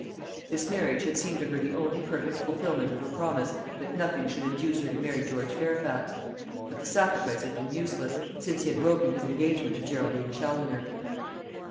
This marriage had seemed to her the only perfect fulfilment of her promise that nothing should induce her to marry George Fairfax. But the sacrifice had been useless, since he had broken his engagement to Geraldine Challoner.